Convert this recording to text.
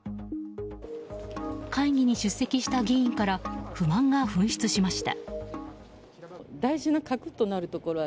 会議に出席した議員から不満が噴出しました。